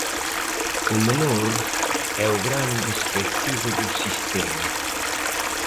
O menor é o grande esquecido do sistema.